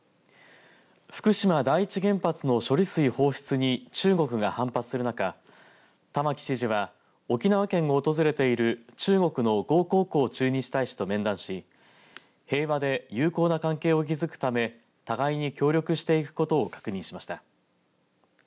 福島第一原発の処理水放出に中国が反発する中玉城知事は沖縄県を訪れている中国の呉江浩駐日大使と面談し平和で友好な関係を築くため互いに協力していくことを確認しました。